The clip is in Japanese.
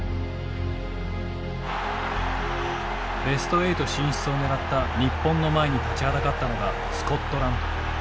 ベスト８進出を狙った日本の前に立ちはだかったのがスコットランド。